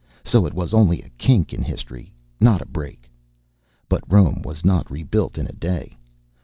So, it was only a kink in history, not a break. But Rome was not re built in a day.